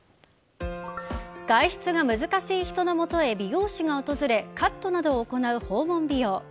外出が難しい人のもとへ美容師が訪れカットなどを行う訪問美容。